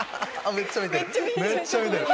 めっちゃ見てる！